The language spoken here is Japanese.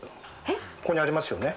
ここにありますよね。